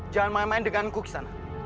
jangan main main dengan aku ghisanak